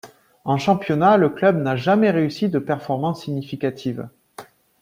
En championnat, le club n'a jamais réussi de performance significative.